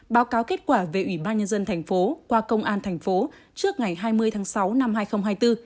báo cáo kết quả về ủy ban nhân dân thành phố qua công an thành phố trước ngày hai mươi tháng sáu năm hai nghìn hai mươi bốn